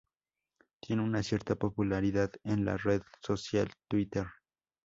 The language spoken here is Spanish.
Tiene una cierta popularidad en la red social Twitter.